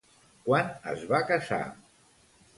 Quan es va casar?